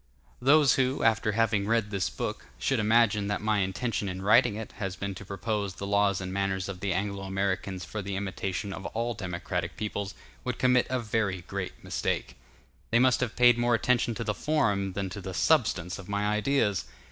Those who, after having read this book, should imagine that my intention in writing it has been to propose the laws and manners of the Anglo Americans for the imitation of all democratic peoples, would commit a very great mistake; they must have paid more attention to the form than to the substance of my ideas.